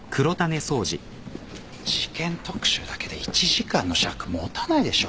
事件特集だけで１時間の尺持たないでしょ。